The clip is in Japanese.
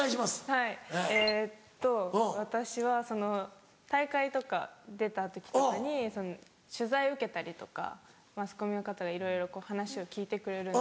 はいえっと私は大会とか出た時とかに取材受けたりとかマスコミの方がいろいろ話を聞いてくれるんですけど。